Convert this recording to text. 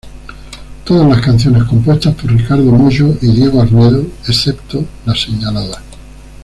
Todas las canciones compuestas por Ricardo Mollo y Diego Arnedo excepto las señaladas.